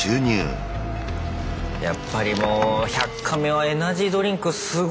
やっぱりもう「１００カメ」はエナジードリンクすごい出てくるよね。